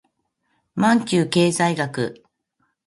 マンキュー経済学